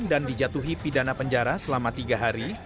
dan dijatuhi pidana penjara selama tiga hari